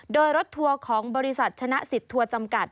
โดยรถทัวร์ของบริษัทชนะสิทธัวร์จำกัด